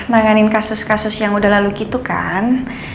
menanganin kasus kasus yang udah lalu gitu kan